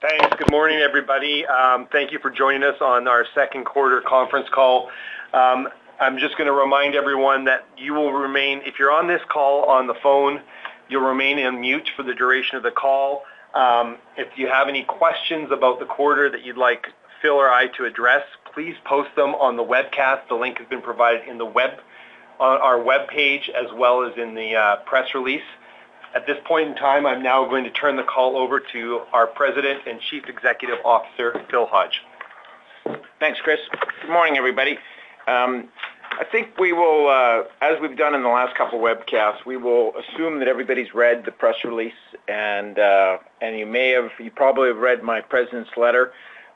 Thanks. Good morning, everybody. Thank you for joining us on our second quarter conference call. I'm just gonna remind everyone that you will remain... If you're on this call on the phone, you'll remain on mute for the duration of the call. If you have any questions about the quarter that you'd like Phil or I to address, please post them on the webcast. The link has been provided in the web, on our webpage, as well as in the, press release. At this point in time, I'm now going to turn the call over to our President and Chief Executive Officer, Phil Hodge. Thanks, Kris. Good morning, everybody. I think we will, as we've done in the last couple of webcasts, assume that everybody's read the press release, and you may have—you probably have read my president's letter.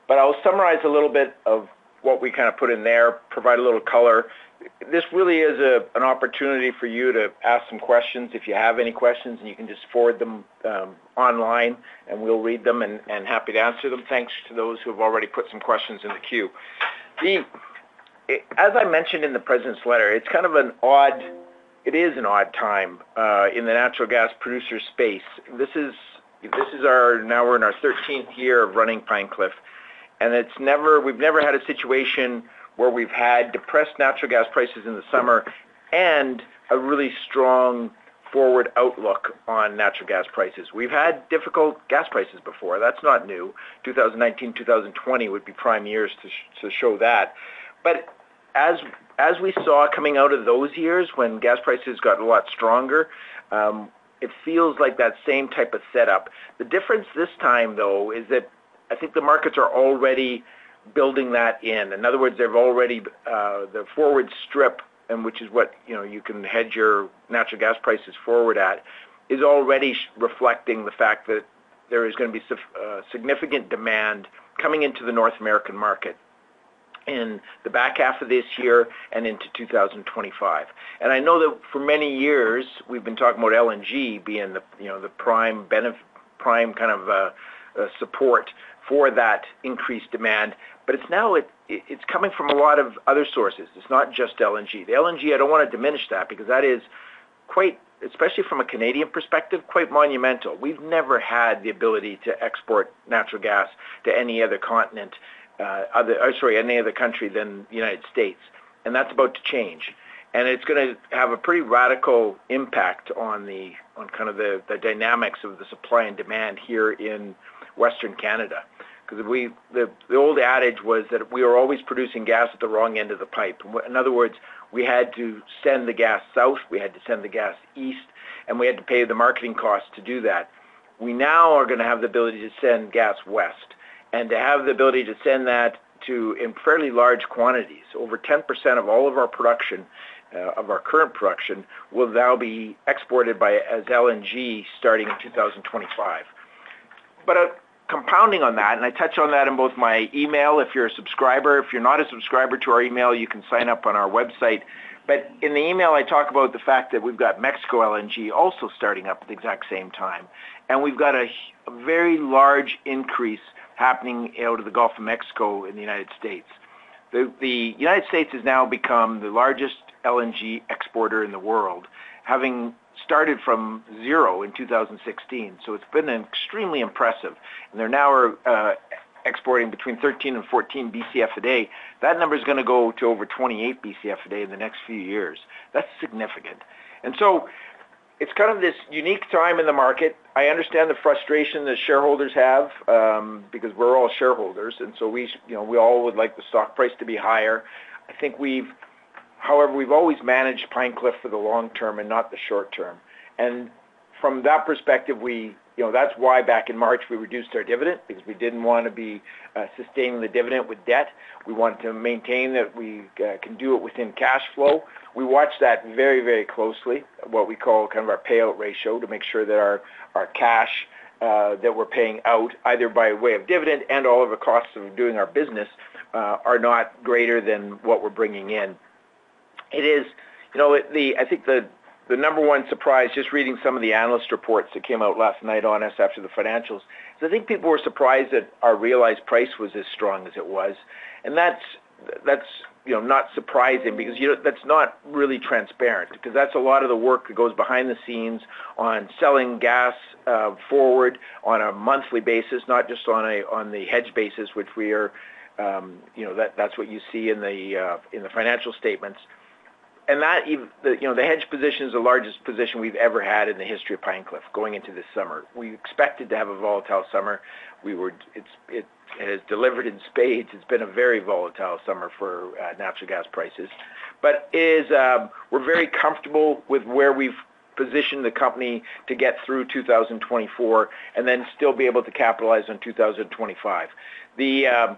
But I'll summarize a little bit of what we kinda put in there, provide a little color. This really is an opportunity for you to ask some questions, if you have any questions, and you can just forward them online, and we'll read them, and happy to answer them. Thanks to those who have already put some questions in the queue. As I mentioned in the President's letter, it's kind of an odd... It is an odd time in the natural gas producer space. This is our 13th year of running Pine Cliff, and it's never, we've never had a situation where we've had depressed natural gas prices in the summer and a really strong forward outlook on natural gas prices. We've had difficult gas prices before. That's not new. 2019, 2020 would be prime years to show that. But as we saw coming out of those years, when gas prices got a lot stronger, it feels like that same type of setup. The difference this time, though, is that I think the markets are already building that in. In other words, they've already [priced] the forward strip, and which is what, you know, you can hedge your natural gas prices forward at, is already reflecting the fact that there is gonna be significant demand coming into the North American market in the back half of this year and into 2025. And I know that for many years, we've been talking about LNG being the, you know, the prime kind of support for that increased demand, but it's now, it, it's coming from a lot of other sources. It's not just LNG. The LNG, I don't wanna diminish that because that is quite, especially from a Canadian perspective, quite monumental. We've never had the ability to export natural gas to any other continent, other... Sorry, any other country than the United States, and that's about to change. And it's gonna have a pretty radical impact on kind of the dynamics of the supply and demand here in Western Canada. 'Cause the old adage was that we were always producing gas at the wrong end of the pipe. In other words, we had to send the gas south, we had to send the gas east, and we had to pay the marketing cost to do that. We now are gonna have the ability to send gas west, and to have the ability to send that to, in fairly large quantities. Over 10% of all of our production of our current production will now be exported by, as LNG, starting in 2025. But, compounding on that, and I touch on that in both my email, if you're a subscriber, if you're not a subscriber to our email, you can sign up on our website. But in the email, I talk about the fact that we've got Mexico LNG also starting up at the exact same time, and we've got a very large increase happening out of the Gulf of Mexico in the United States. The United States has now become the largest LNG exporter in the world, having started from zero in 2016. So it's been extremely impressive, and they now are exporting between 13 and 14 Bcf a day. That number is gonna go to over 28 Bcf a day in the next few years. That's significant. And so it's this unique time in the market. I understand the frustration that shareholders have, because we're all shareholders, and so you know, we all would like the stock price to be higher. I think we've However, we've always managed Pine Cliff for the long term and not the short term. And from that perspective, we, you know, that's why back in March, we reduced our dividend, because we didn't wanna be, sustaining the dividend with debt. We wanted to maintain that we, can do it within cash flow. We watch that very, very closely, what we call kind of our payout ratio, to make sure that our, our cash, that we're paying out, either by way of dividend and all of the costs of doing our business, are not greater than what we're bringing in. It is, you know, I think the number one surprise, just reading some of the analyst reports that came out last night on us after the financials, is I think people were surprised that our realized price was as strong as it was. And that's, you know, not surprising because, you know, that's not really transparent, because that's a lot of the work that goes behind the scenes on selling gas forward on a monthly basis, not just on the hedge basis, which we are, you know, that's what you see in the financial statements. And that even, you know, the hedge position is the largest position we've ever had in the history of Pine Cliff going into this summer. We expected to have a volatile summer. We were, it's, it has delivered in spades. It's been a very volatile summer for natural gas prices. But it is, we're very comfortable with where we've positioned the company to get through 2024 and then still be able to capitalize on 2025. The, I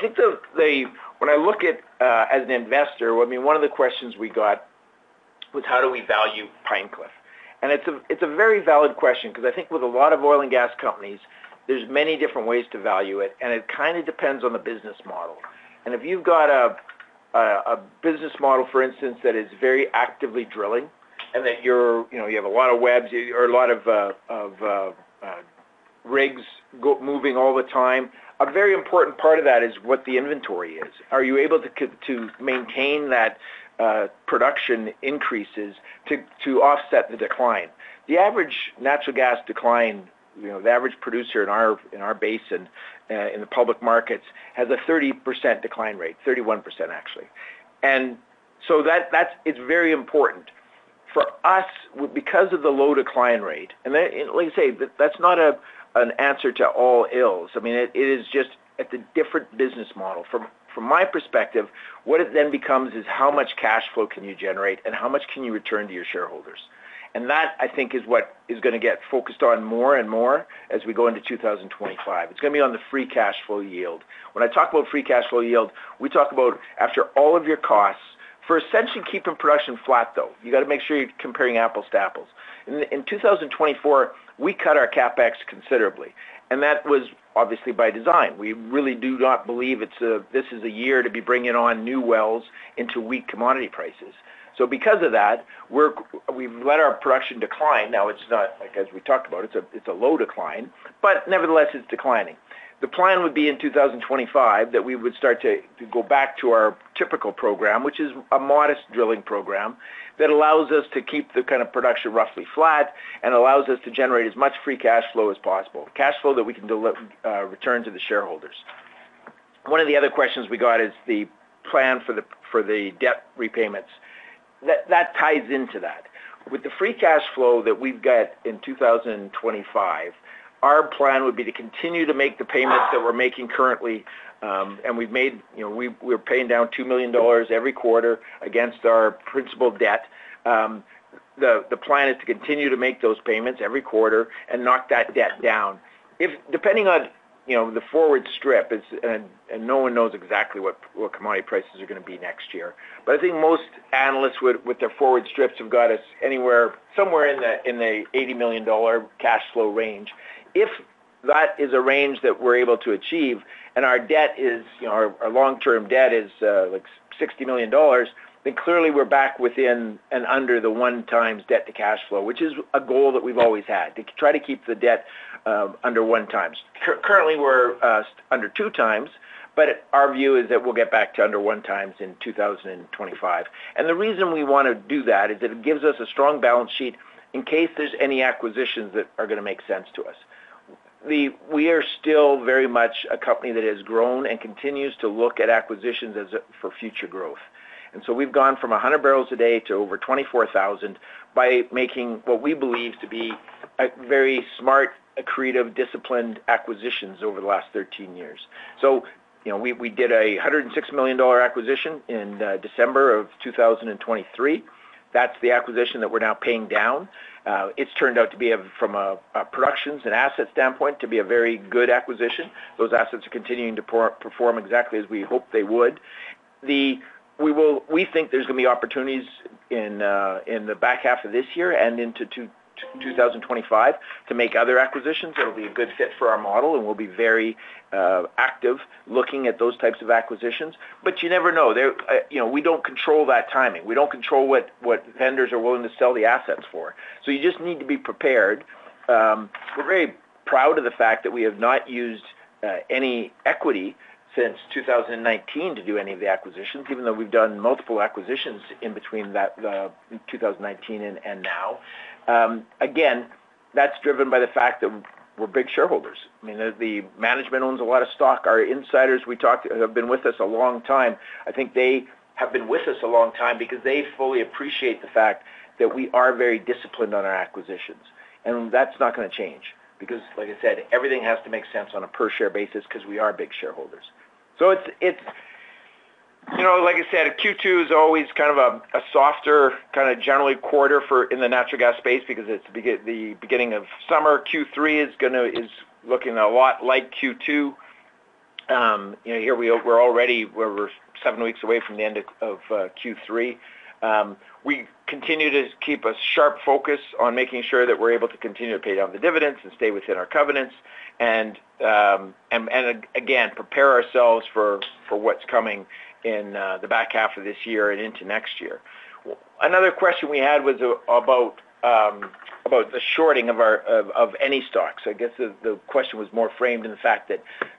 think the... When I look at as an investor, I mean, one of the questions we got was: How do we value Pine Cliff? And it's a, it's a very valid question, 'cause I think with a lot of oil and gas companies, there's many different ways to value it, and it kinda depends on the business model. If you've got a business model, for instance, that is very actively drilling and that you're, you know, you have a lot of wells or a lot of rigs going, moving all the time. A very important part of that is what the inventory is. Are you able to maintain that production increases to offset the decline? The average natural gas decline, you know, the average producer in our basin in the public markets, has a 30% decline rate, 31%, actually. And so that, that's—it's very important. For us, because of the low decline rate, and then, like I say, that's not an answer to all ills. I mean, it is just... It's a different business model. From my perspective, what it then becomes is how much cash flow can you generate, and how much can you return to your shareholders? And that, I think, is what is gonna get focused on more and more as we go into 2025. It's gonna be on the free cash flow yield. When I talk about free cash flow yield, we talk about after all of your costs, we're essentially keeping production flat, though. You've got to make sure you're comparing apples to apples. In 2024, we cut our CapEx considerably, and that was obviously by design. We really do not believe it's a this is a year to be bringing on new wells into weak commodity prices. So because of that, we've let our production decline. Now, it's not, like, as we talked about, it's a low decline, but nevertheless, it's declining. The plan would be in 2025, that we would start to go back to our typical program, which is a modest drilling program, that allows us to keep the kind of production roughly flat and allows us to generate as much free cash flow as possible. Cash flow that we can return to the shareholders. One of the other questions we got is the plan for the debt repayments. That ties into that. With the free cash flow that we've got in 2025, our plan would be to continue to make the payments that we're making currently, and we've made. You know, we're paying down 2 million dollars every quarter against our principal debt. The plan is to continue to make those payments every quarter and knock that debt down. If depending on, you know, the forward strip, it's and no one knows exactly what commodity prices are gonna be next year. But I think most analysts with their forward strips have got us anywhere, somewhere in an 80 million dollar cash flow range. If that is a range that we're able to achieve and our debt is, you know, our long-term debt is like 60 million dollars, then clearly we're back within and under the 1x debt to cash flow, which is a goal that we've always had, to try to keep the debt under 1x. Currently, we're under 2x, but our view is that we'll get back to under 1x in 2025. And the reason we wanna do that is that it gives us a strong balance sheet in case there's any acquisitions that are gonna make sense to us. We are still very much a company that has grown and continues to look at acquisitions as a for future growth. And so we've gone from 100 barrels a day to over 24,000 by making what we believe to be a very smart, creative, disciplined acquisitions over the last 13 years. So, you know, we did a 106 million dollar acquisition in December of 2023. That's the acquisition that we're now paying down. It's turned out to be, from a production and asset standpoint, to be a very good acquisition. Those assets are continuing to perform exactly as we hoped they would. We think there's gonna be opportunities in the back half of this year and into 2025 to make other acquisitions that will be a good fit for our model, and we'll be very active looking at those types of acquisitions. But you never know, they're... You know, we don't control that timing. We don't control what vendors are willing to sell the assets for. So you just need to be prepared. We're very proud of the fact that we have not used any equity since 2019 to do any of the acquisitions, even though we've done multiple acquisitions in between that 2019 and now. Again, that's driven by the fact that we're big shareholders. I mean, the management owns a lot of stock. Our insiders, we talked to, have been with us a long time. I think they have been with us a long time because they fully appreciate the fact that we are very disciplined on our acquisitions. And that's not gonna change, because, like I said, everything has to make sense on a per share basis because we are big shareholders. So it's... You know, like I said, Q2 is always kind of a softer, kind of generally quarter for in the natural gas space because it's the beginning of summer. Q3 is looking a lot like Q2. You know, here we are, we're already, we're seven weeks away from the end of Q3. We continue to keep a sharp focus on making sure that we're able to continue to pay down the dividends and stay within our covenants, and again, prepare ourselves for what's coming in the back half of this year and into next year. Another question we had was about the shorting of our or any stocks. I guess the question was more framed in the fact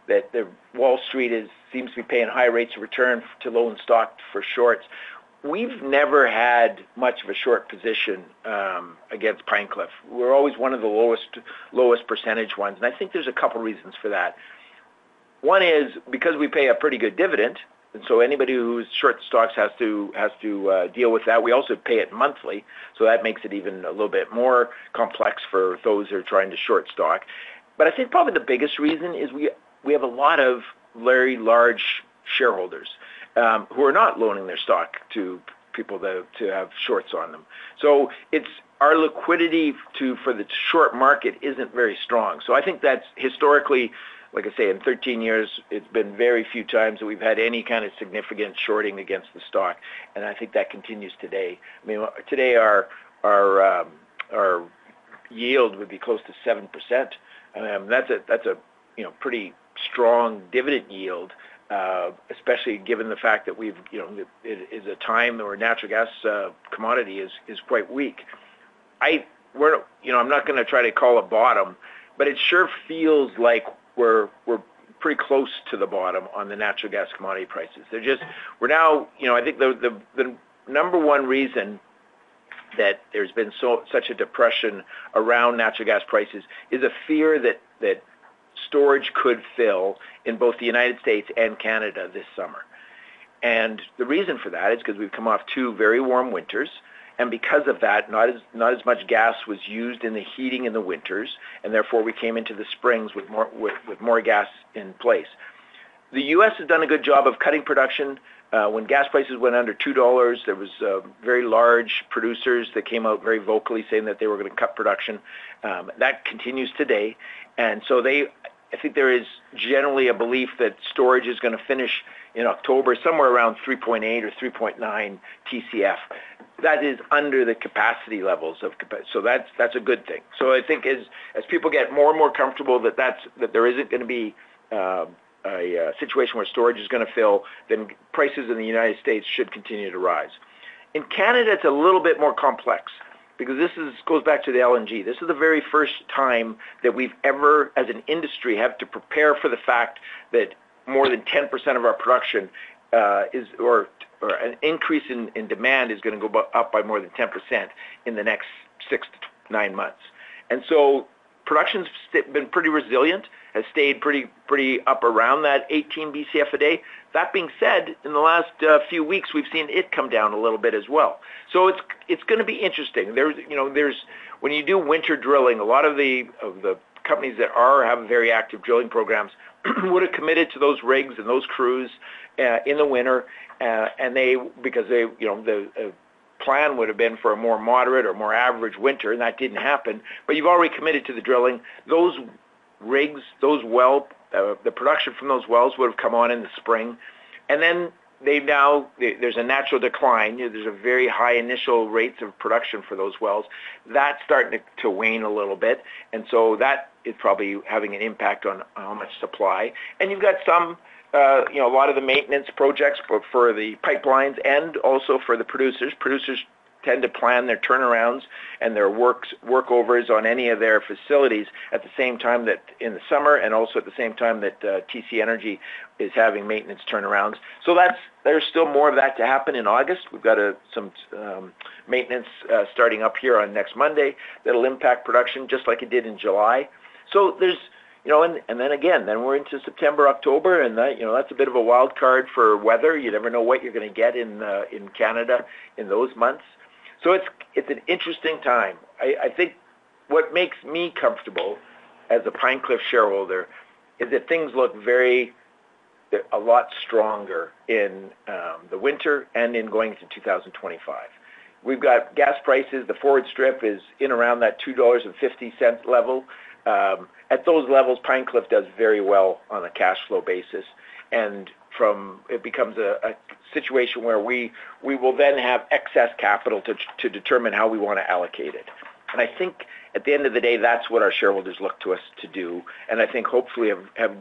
that Wall Street seems to be paying high rates of return to loan stock for shorts. We've never had much of a short position against Pine Cliff. We're always one of the lowest percentage ones, and I think there's a couple reasons for that. One is because we pay a pretty good dividend, and so anybody who's short stocks has to deal with that. We also pay it monthly, so that makes it even a little bit more complex for those who are trying to short stock. But I think probably the biggest reason is we have a lot of very large shareholders who are not loaning their stock to people to have shorts on them. So it's our liquidity to—for the short market isn't very strong. So I think that's historically, like I say, in 13 years, it's been very few times that we've had any kind of significant shorting against the stock, and I think that continues today. I mean, today, our yield would be close to 7%, and that's a, that's a, you know, pretty strong dividend yield, especially given the fact that we've, you know, it is a time where natural gas commodity is quite weak.... We're, you know, I'm not gonna try to call a bottom, but it sure feels like we're pretty close to the bottom on the natural gas commodity prices. They're just. We're now, you know, I think the number one reason that there's been such a depression around natural gas prices is a fear that storage could fill in both the United States and Canada this summer. And the reason for that is because we've come off two very warm winters, and because of that, not as much gas was used in the heating in the winters, and therefore, we came into the springs with more gas in place. The U.S. has done a good job of cutting production. When gas prices went under $2, there was very large producers that came out very vocally saying that they were gonna cut production. That continues today. And so I think there is generally a belief that storage is gonna finish in October, somewhere around 3.8 or 3.9 Tcf. That is under the capacity levels of capacity. So that's a good thing. So I think as people get more and more comfortable that that's that there isn't gonna be a situation where storage is gonna fill, then prices in the United States should continue to rise. In Canada, it's a little bit more complex because this is goes back to the LNG. This is the very first time that we've ever, as an industry, have to prepare for the fact that more than 10% of our production, or an increase in demand is gonna go up by more than 10% in the next 6 to 9 months. And so production's been pretty resilient, has stayed pretty, pretty up around that 18 Bcf a day. That being said, in the last few weeks, we've seen it come down a little bit as well. So it's gonna be interesting. You know, when you do winter drilling, a lot of the companies that are having very active drilling programs would have committed to those rigs and those crews in the winter, and they, because they, you know, the plan would have been for a more moderate or more average winter, and that didn't happen. But you've already committed to the drilling. Those rigs, those wells, the production from those wells would have come on in the spring, and then they've now, there's a natural decline. There's a very high initial rates of production for those wells. That's starting to wane a little bit, and so that is probably having an impact on the supply. And you've got some, you know, a lot of the maintenance projects for the pipelines and also for the producers. Producers tend to plan their turnarounds and their workovers on any of their facilities at the same time that in the summer, and also at the same time that TC Energy is having maintenance turnarounds. So that's. There's still more of that to happen in August. We've got some maintenance starting up here on next Monday. That'll impact production just like it did in July. So there's, you know, and then again, we're into September, October, and that, you know, that's a bit of a wild card for weather. You never know what you're gonna get in in Canada in those months. So it's, it's an interesting time. I think what makes me comfortable as a Pine Cliff shareholder is that things look very a lot stronger in the winter and in going to 2025. We've got gas prices. The forward strip is in around that 2.50 dollars level. At those levels, Pine Cliff does very well on a cash flow basis, and it becomes a situation where we will then have excess capital to determine how we wanna allocate it. And I think at the end of the day, that's what our shareholders look to us to do, and I think hopefully have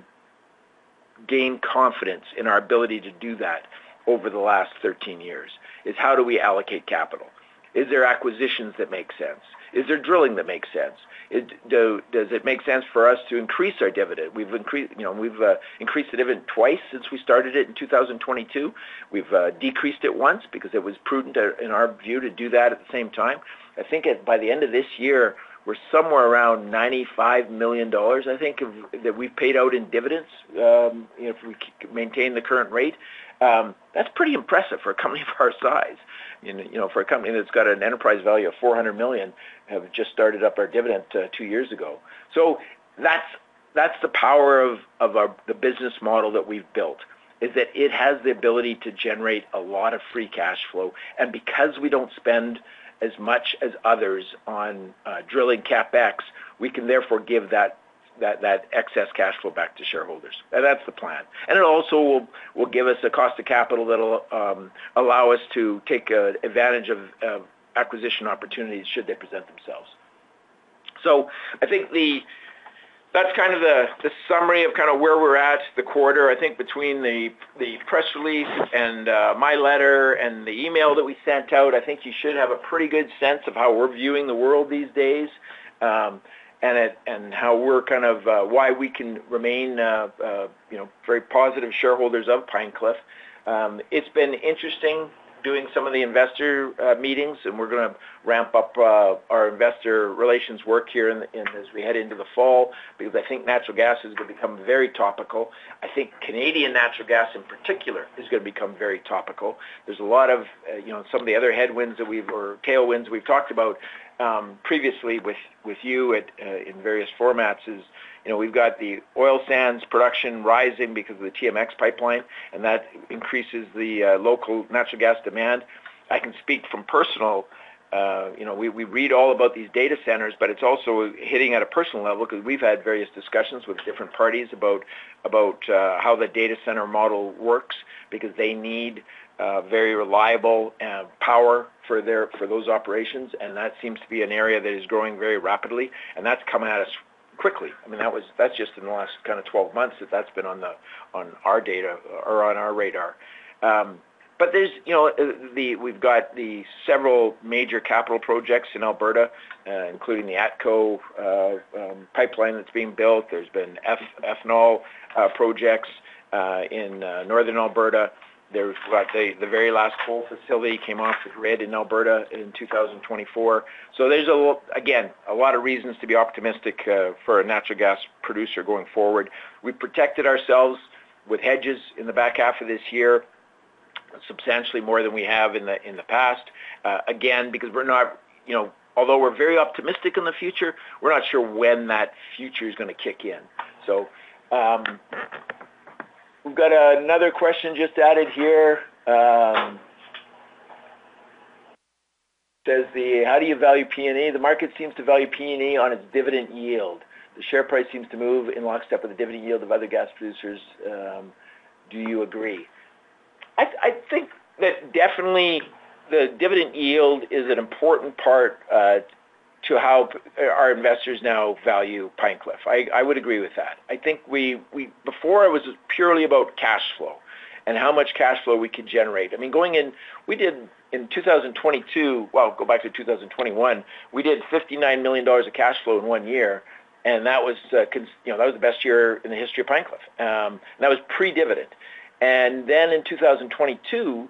gained confidence in our ability to do that over the last 13 years, is how do we allocate capital? Is there acquisitions that make sense? Is there drilling that makes sense? Does it make sense for us to increase our dividend? We've increased, you know, we've increased the dividend twice since we started it in 2022. We've decreased it once because it was prudent, in our view, to do that at the same time. I think by the end of this year, we're somewhere around 95 million dollars, I think, of, that we've paid out in dividends, if we maintain the current rate. That's pretty impressive for a company of our size. You know, for a company that's got an enterprise value of 400 million, have just started up our dividend, two years ago. So that's, that's the power of, of our, the business model that we've built, is that it has the ability to generate a lot of free cash flow. And because we don't spend as much as others on, drilling CapEx, we can therefore give that, that, that excess cash flow back to shareholders. And that's the plan. And it also will give us a cost of capital that'll allow us to take advantage of acquisition opportunities should they present themselves. So I think that's kind of the summary of kinda where we're at, the quarter. I think between the press release and my letter and the email that we sent out, I think you should have a pretty good sense of how we're viewing the world these days, and it and how we're kind of why we can remain you know very positive shareholders of Pine Cliff. It's been interesting doing some of the investor meetings, and we're gonna ramp up our investor relations work here in as we head into the fall, because I think natural gas is gonna become very topical. I think Canadian natural gas, in particular, is gonna become very topical. There's a lot of, you know, some of the other headwinds that we've, or tailwinds we've talked about, previously with, with you at, in various formats is, you know, we've got the oil sands production rising because of the TMX pipeline, and that increases the, local natural gas demand. I can speak from personal, you know, we, we read all about these data centers, but it's also hitting at a personal level because we've had various discussions with different parties about, about, how the data center model works, because they need, very reliable, power for their, for those operations, and that seems to be an area that is growing very rapidly, and that's coming at us-... I mean, that was, that's just in the last kind of 12 months that that's been on the, on our data or on our radar. But there's, you know, we've got the several major capital projects in Alberta, including the ATCO pipeline that's being built. There's been ethanol projects in northern Alberta. There's the very last coal facility came off the grid in Alberta in 2024. So there's a little, again, a lot of reasons to be optimistic for a natural gas producer going forward. We protected ourselves with hedges in the back half of this year, substantially more than we have in the, in the past. Again, because we're not... You know, although we're very optimistic in the future, we're not sure when that future is gonna kick in. So, we've got another question just added here. Says the, "How do you value PNE? The market seems to value PNE on its dividend yield. The share price seems to move in lockstep with the dividend yield of other gas producers. Do you agree?" I think that definitely the dividend yield is an important part to how our investors now value Pine Cliff. I would agree with that. I think we before, it was purely about cash flow and how much cash flow we could generate. I mean, going in, we did. In 2022, well, go back to 2021, we did 59 million dollars of cash flow in one year, and that was, you know, that was the best year in the history of Pine Cliff, and that was pre-dividend. Then in 2022,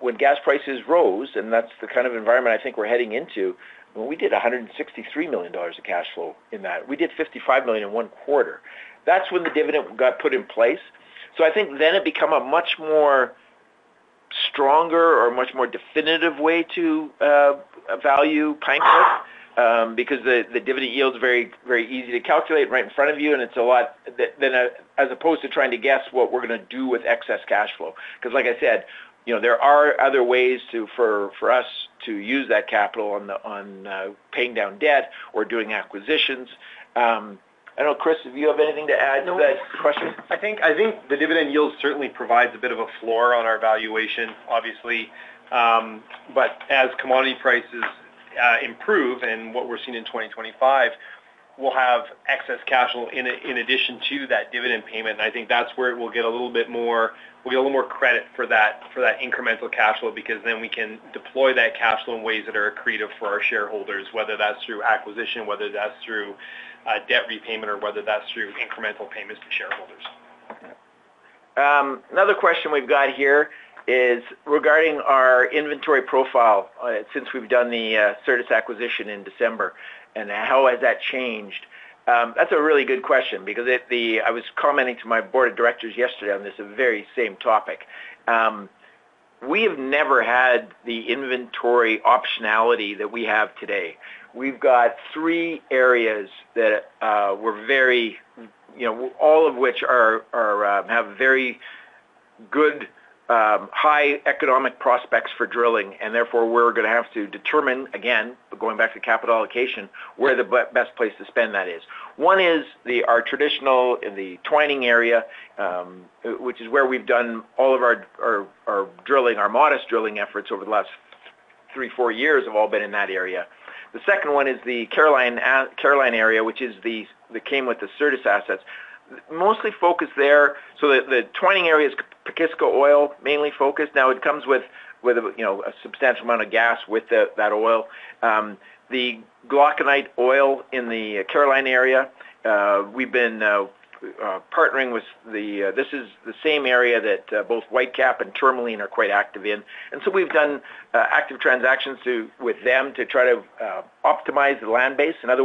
when gas prices rose, and that's the kind of environment I think we're heading into, we did 163 million dollars of cash flow in that. We did 55 million in one quarter. That's when the dividend got put in place. So I think then it become a much more stronger or much more definitive way to value Pine Cliff, because the, the dividend yield is very, very easy to calculate, right in front of you, and it's a lot - than as opposed to trying to guess what we're gonna do with excess cash flow. 'Cause like I said, you know, there are other ways to, for, for us to use that capital on the, on paying down debt or doing acquisitions. I know, Kris, do you have anything to add to that question? I think, I think the dividend yield certainly provides a bit of a floor on our valuation, obviously. But as commodity prices improve, and what we're seeing in 2025, we'll have excess cash flow in addition to that dividend payment, and I think that's where it will get a little bit more... We get a little more credit for that, for that incremental cash flow, because then we can deploy that cash flow in ways that are accretive for our shareholders, whether that's through acquisition, whether that's through, debt repayment, or whether that's through incremental payments to shareholders. Another question we've got here is regarding our inventory profile, since we've done the Certus acquisition in December, and how has that changed? That's a really good question, because I was commenting to my board of directors yesterday on this, the very same topic. We have never had the inventory optionality that we have today. We've got three areas that were very, you know, all of which are have very good high economic prospects for drilling, and therefore, we're gonna have to determine, again, going back to capital allocation, where the best place to spend that is. One is our traditional in the Twining area, which is where we've done all of our drilling, our modest drilling efforts over the last three, four years have all been in that area. The second one is the Caroline area, which is that came with the Certus assets. Mostly focused there... So the Twining area is Pekisko oil, mainly focused. Now, it comes with, you know, a substantial amount of gas with that oil. The Glauconite oil in the Caroline area, we've been partnering with the... This is the same area that both Whitecap and Tourmaline are quite active in. And so we've done active transactions with them to try to optimize the land base. In other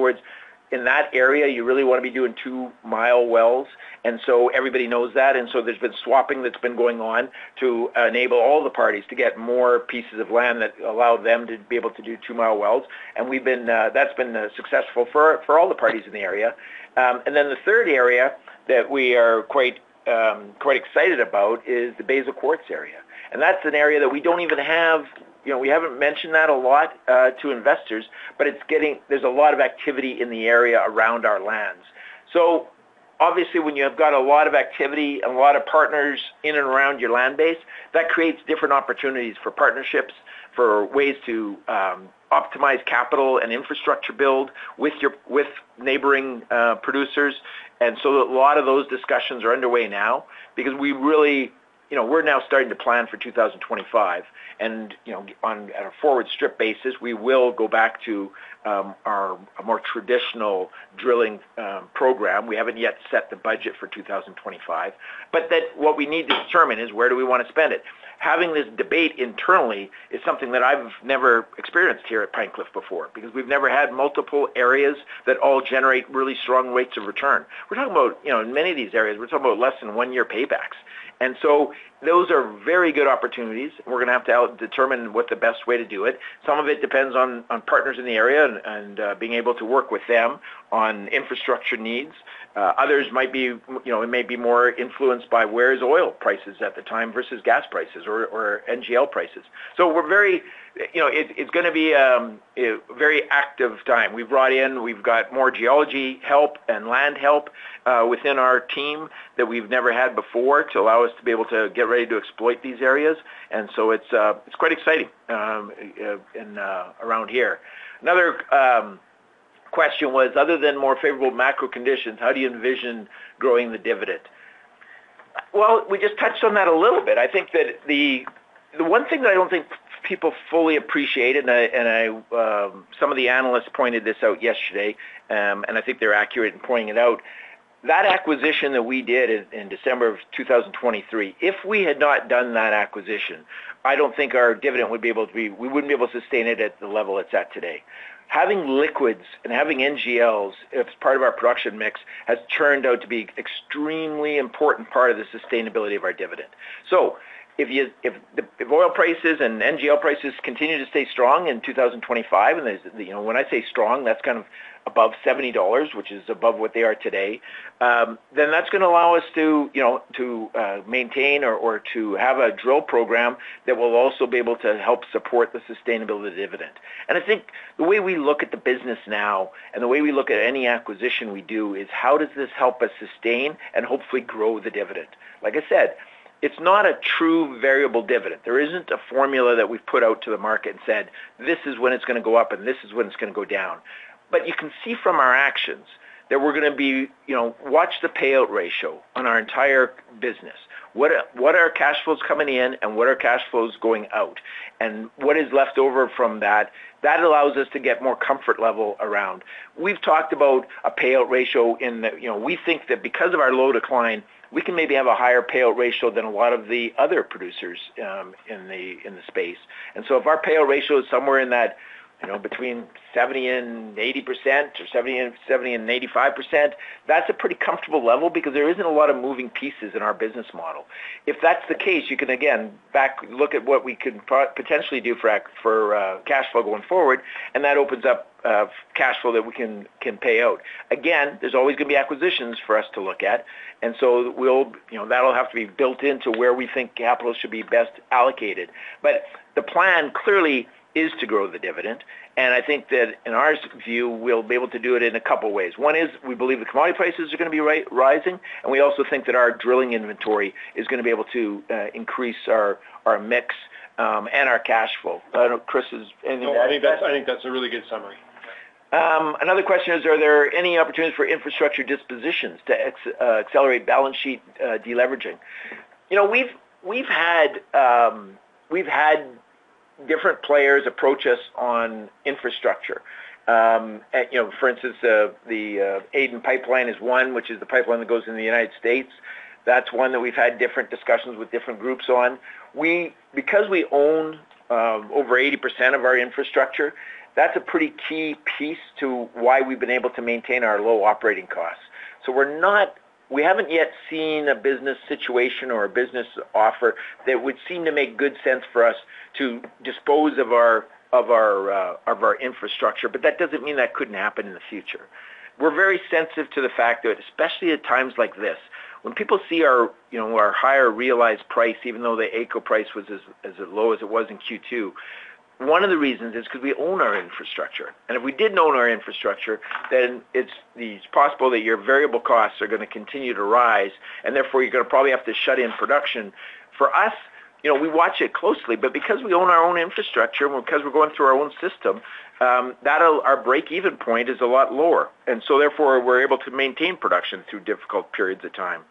words, in that area, you really want to be doing two-mile wells, and so everybody knows that, and so there's been swapping that's been going on to enable all the parties to get more pieces of land that allow them to be able to do two-mile wells. And we've been... That's been successful for all the parties in the area. And then the third area that we are quite excited about is the Basal Quartz area. And that's an area that we don't even have-- you know, we haven't mentioned that a lot to investors, but it's getting-- there's a lot of activity in the area around our lands. So obviously, when you have got a lot of activity and a lot of partners in and around your land base, that creates different opportunities for partnerships, for ways to optimize capital and infrastructure build with your- with neighboring producers. And so a lot of those discussions are underway now because we really... You know, we're now starting to plan for 2025. You know, on, at a forward strip basis, we will go back to our a more traditional drilling program. We haven't yet set the budget for 2025, but that what we need to determine is, where do we wanna spend it? Having this debate internally is something that I've never experienced here at Pine Cliff before, because we've never had multiple areas that all generate really strong rates of return. We're talking about, you know, in many of these areas, we're talking about less than one-year paybacks. And so those are very good opportunities. We're gonna have to determine what the best way to do it. Some of it depends on partners in the area and being able to work with them on infrastructure needs. Others might be, you know, it may be more influenced by where is oil prices at the time versus gas prices or, or NGL prices. So we're very... You know, it, it's gonna be a very active time. We've brought in, we've got more geology help and land help within our team that we've never had before to allow us to be able to get ready to exploit these areas. And so it's, it's quite exciting in around here. Another question was, other than more favorable macro conditions, how do you envision growing the dividend?... Well, we just touched on that a little bit. I think that the one thing that I don't think people fully appreciate, and I, and I some of the analysts pointed this out yesterday, and I think they're accurate in pointing it out. That acquisition that we did in December of 2023, if we had not done that acquisition, I don't think our dividend would be able to be, we wouldn't be able to sustain it at the level it's at today. Having liquids and having NGLs as part of our production mix has turned out to be extremely important part of the sustainability of our dividend. So if oil prices and NGL prices continue to stay strong in 2025, and, you know, when I say strong, that's kind of above $70, which is above what they are today, then that's gonna allow us to, you know, to maintain or to have a drill program that will also be able to help support the sustainability of the dividend. I think the way we look at the business now and the way we look at any acquisition we do, is how does this help us sustain and hopefully grow the dividend? Like I said, it's not a true variable dividend. There isn't a formula that we've put out to the market and said, "This is when it's gonna go up, and this is when it's gonna go down." But you can see from our actions that we're gonna be, you know, watch the payout ratio on our entire business. What are, what are our cash flows coming in and what are cash flows going out? And what is left over from that, that allows us to get more comfort level around. We've talked about a payout ratio in the—you know, we think that because of our low decline, we can maybe have a higher payout ratio than a lot of the other producers in the space. And so if our payout ratio is somewhere in that, you know, between 70% and 80% or 70% and 85%, that's a pretty comfortable level because there isn't a lot of moving pieces in our business model. If that's the case, you can again back look at what we could potentially do for cash flow going forward, and that opens up cash flow that we can pay out. Again, there's always gonna be acquisitions for us to look at, and so we'll... You know, that'll have to be built into where we think capital should be best allocated. But the plan clearly is to grow the dividend, and I think that in our view, we'll be able to do it in a couple of ways. One is, we believe the commodity prices are gonna be rising, and we also think that our drilling inventory is gonna be able to increase our, our mix, and our cash flow. I don't know, Kris, is anything to add to that? No, I think that's, I think that's a really good summary. Another question is, are there any opportunities for infrastructure dispositions to accelerate balance sheet deleveraging? You know, we've had different players approach us on infrastructure. And, you know, for instance, the Aden pipeline is one, which is the pipeline that goes to the United States. That's one that we've had different discussions with different groups on. We own over 80% of our infrastructure, that's a pretty key piece to why we've been able to maintain our low operating costs. So we're not we haven't yet seen a business situation or a business offer that would seem to make good sense for us to dispose of our infrastructure, but that doesn't mean that couldn't happen in the future. We're very sensitive to the fact that, especially at times like this, when people see our, you know, our higher realized price, even though the AECO price was as low as it was in Q2, one of the reasons is because we own our infrastructure. And if we didn't own our infrastructure, then it's possible that your variable costs are gonna continue to rise, and therefore, you're gonna probably have to shut in production. For us, you know, we watch it closely, but because we own our own infrastructure, because we're going through our own system, our break-even point is a lot lower, and so therefore, we're able to maintain production through difficult periods of time.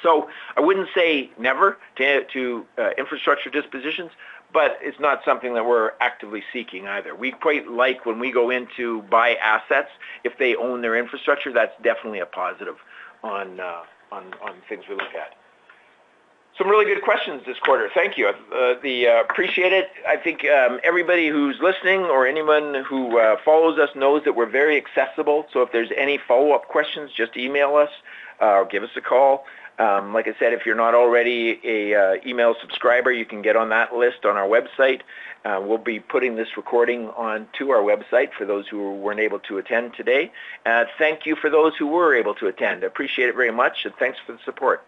So I wouldn't say never to infrastructure dispositions, but it's not something that we're actively seeking either. We quite like when we go in to buy assets. If they own their infrastructure, that's definitely a positive on things we look at. Some really good questions this quarter. Thank you. Appreciate it. I think, everybody who's listening or anyone who follows us knows that we're very accessible. So if there's any follow-up questions, just email us, or give us a call. Like I said, if you're not already an email subscriber, you can get on that list on our website. We'll be putting this recording onto our website for those who weren't able to attend today. Thank you for those who were able to attend. I appreciate it very much, and thanks for the support.